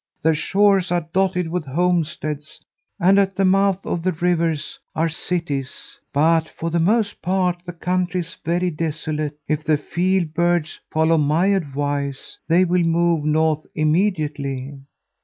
Their shores are dotted with homesteads, and at the mouth of the rivers are cities; but for the most part the country is very desolate. If the field birds follow my advice, they will move north immediately.'